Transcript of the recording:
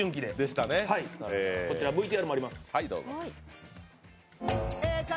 こちらＶＴＲもあります。